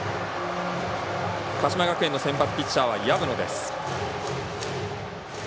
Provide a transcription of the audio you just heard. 鹿島学園の先発ピッチャーは薮野。